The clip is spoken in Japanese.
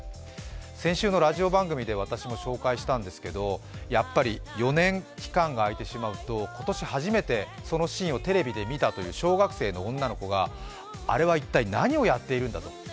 先週のラジオ番組で私も紹介したんですけどやっぱり４年、期間が空いてしまうと今年初めてそのシーンをテレビで見たという小学生の女の子があれは一体何をやっているんだと。